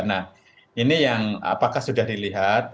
nah ini yang apakah sudah dilihat